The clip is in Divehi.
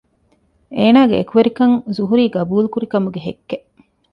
އޭނަގެ އެކުވެރިކަން ޒުހުރީ ޤަބޫލުކުރި ކަމުގެ ހެއްކެއް